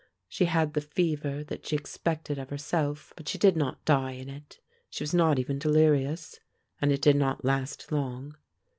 She had the fever that she expected of herself, but she did not die in it; she was not even delirious, and it did not last long.